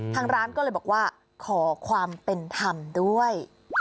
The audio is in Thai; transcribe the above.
ทางร้านก็เลยบอกว่าขอความเป็นธรรมด้วย